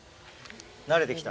慣れて来た？